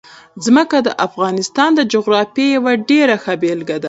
ځمکه د افغانستان د جغرافیې یوه ډېره ښه بېلګه ده.